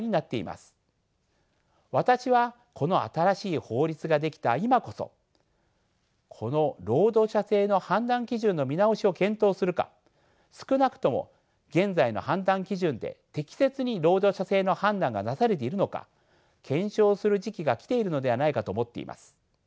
私はこの新しい法律が出来た今こそこの労働者性の判断基準の見直しを検討するか少なくとも現在の判断基準で適切に労働者性の判断がなされているのか検証する時期が来ているのではないかと思っています。